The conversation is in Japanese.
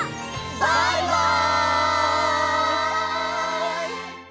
バイバイ！